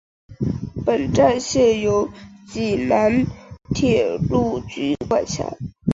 本站现由济南铁路局管辖。